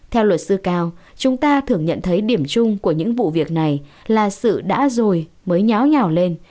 theo luật sư cao chúng ta thường nhận thấy điểm chung của những vụ việc này là sự đã rồi mới nháo nhảo lên